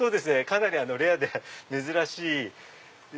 かなりレアで珍しい。